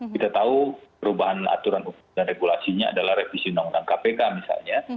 kita tahu perubahan aturan dan regulasinya adalah revisi undang undang kpk misalnya